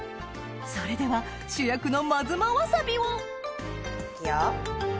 それでは主役の真妻わさびをいくよ。